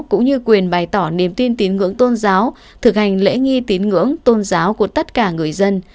cũng như quyền bày tỏ niềm tin tín ngưỡng tôn giáo thực hành lễ nghi tín ngưỡng tôn giáo của tất cả người dân